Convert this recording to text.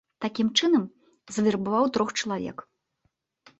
Такім чынам завербаваў трох чалавек.